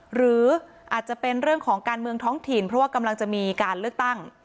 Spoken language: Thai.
หรืออาจจะเป็นเรื่องของการเมืองท้องถิ่นเพราะว่ากำลังจะมีการเลือกตั้ง